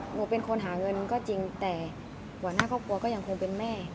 หนูเป็นคนหาเงินก็จริงแต่หัวหน้าครอบครัวก็ยังคงเป็นแม่